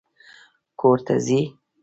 کور ته ځې؟